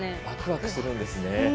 わくわくするんですね。